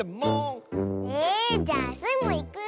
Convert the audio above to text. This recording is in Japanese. えじゃあスイもいく。